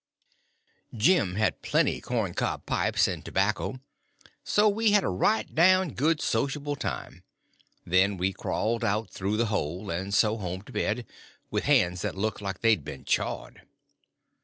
Jim had plenty corn cob pipes and tobacco; so we had a right down good sociable time; then we crawled out through the hole, and so home to bed, with hands that looked like they'd been chawed.